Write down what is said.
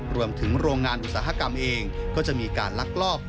โรงงานอุตสาหกรรมเองก็จะมีการลักลอบ